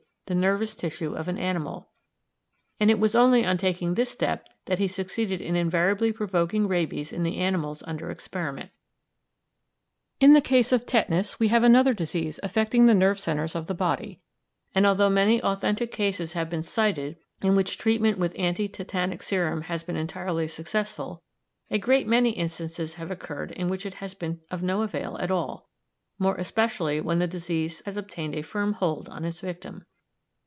the nervous tissue of an animal; it was only on taking this step that he succeeded in invariably provoking rabies in the animals under experiment. In the case of tetanus we have another disease affecting the nerve centres of the body, and although many authentic cases have been cited in which the treatment with anti tetanic serum has been entirely successful, a great many instances have occurred in which it has been of no avail at all, more especially when the disease has obtained a firm hold on its victim.